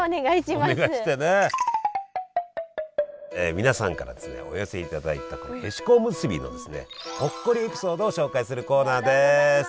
皆さんからお寄せいただいたへしこおむすびのほっこりエピソードを紹介するコーナーです！